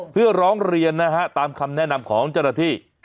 เพื่อร้องเรียนนะฮะตามคำแนะนำของเจ้าหน้าที่